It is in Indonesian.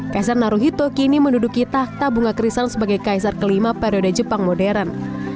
kaisar naruhito kini menduduki tahta bunga kristal sebagai kaisar kelima periode jepang modern